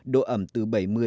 độ ẩm từ bảy mươi chín mươi năm